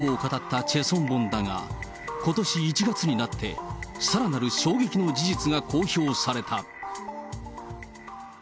みずからの凄絶な過去を語ったチェ・ソンボンだが、ことし１月になって、さらなる衝撃の事実が公表された。